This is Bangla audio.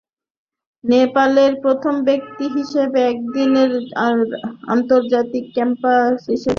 নেপালের প্রথম ব্যক্তি হিসেবে একদিনের আন্তর্জাতিকে আম্পায়ার হিসেবে খেলা পরিচালনা করার গৌরব লাভ করেন বুদ্ধি প্রধান।